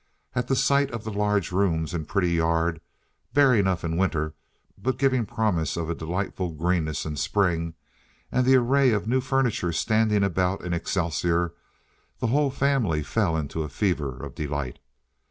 At the sight of the large rooms and pretty yard, bare enough in winter, but giving promise of a delightful greenness in spring, and the array of new furniture standing about in excelsior, the whole family fell into a fever of delight.